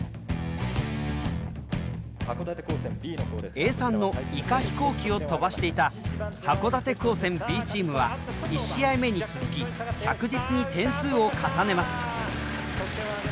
Ａ３のイカ飛行機を飛ばしていた函館高専Ｂチームは１試合目に続き着実に点数を重ねます。